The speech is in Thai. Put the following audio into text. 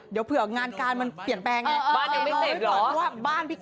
เดี๋ยวเผื่องานการมันเปลี่ยนแปลงไง